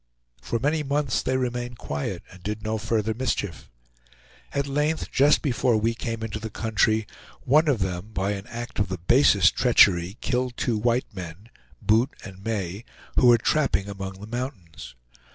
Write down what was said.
For many months they remained quiet, and did no further mischief. At length, just before we came into the country, one of them, by an act of the basest treachery, killed two white men, Boot and May, who were trapping among the mountains.